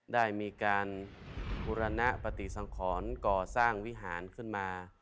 ได้มีการบุรณปฏิสังขรก่อสร้างวิหารขึ้นมา